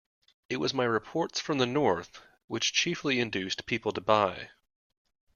It was my reports from the north which chiefly induced people to buy.